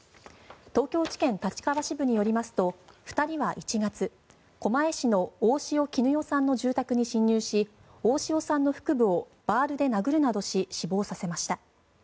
東京地検立川支部によりますと２人は１月狛江市の大塩衣與さんの住宅に侵入し大塩さんの腹部をバールで殴るなどし死亡させました。